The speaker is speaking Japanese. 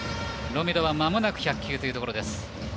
ロメロはまもなく１００球というところです。